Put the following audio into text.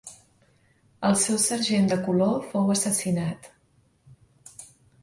El seu sergent de color fou assassinat.